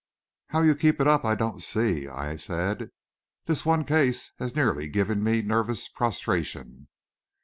"How you keep it up I don't see," I said. "This one case has nearly given me nervous prostration."